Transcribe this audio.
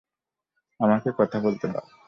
আমাকে কথা বলতে দাও।